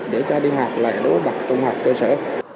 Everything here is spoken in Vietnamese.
để cho đi học lại đối với bật trong học cơ sở